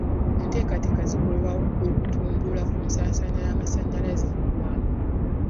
Enteekateeka zikolebwa okutumbula ku nsaasaanya y'amasanyalaze mu ggwanga.